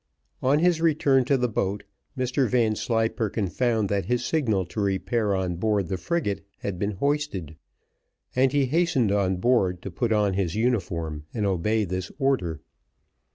On his return to the boat, Mr Vanslyperken found that his signal to repair on board the frigate had been hoisted, and he hastened on board to put on his uniform and obey this order.